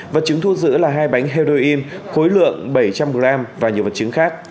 vật chứng thu giữ là hai bánh heroin khối lượng bảy trăm linh g và nhiều vật chứng khác